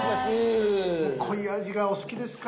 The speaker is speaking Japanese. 濃い味がお好きですか？